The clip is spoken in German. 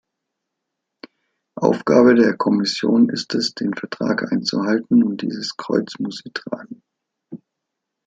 Aufgabe der Kommission ist es, den Vertrag einzuhalten, und dieses Kreuz muss sie tragen.